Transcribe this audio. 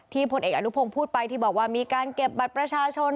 พลเอกอนุพงศ์พูดไปที่บอกว่ามีการเก็บบัตรประชาชน